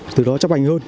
từ đó chấp hành hơn